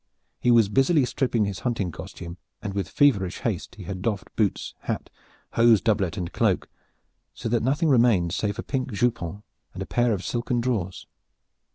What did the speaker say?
He was busily stripping his hunting costume, and with feverish haste he had doffed boots, hat, hose, doublet and cloak, so that nothing remained save a pink jupon and pair of silken drawers.